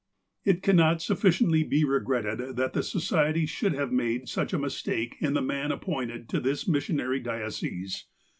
It cannot sufOiciently be regretted that the Society should have made such a mistake in the man appointed to this missionary diocese.